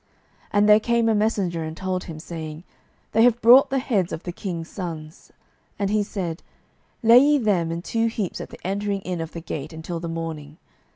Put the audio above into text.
12:010:008 And there came a messenger, and told him, saying, They have brought the heads of the king's sons. And he said, Lay ye them in two heaps at the entering in of the gate until the morning.